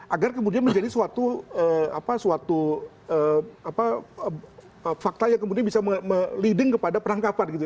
agar kemudian menjadi suatu apa suatu fakta yang kemudian bisa meliding kepada penangkapan gitu ya